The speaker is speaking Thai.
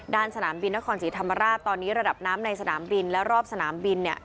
สนามบินนครศรีธรรมราชตอนนี้ระดับน้ำในสนามบินและรอบสนามบินเนี่ย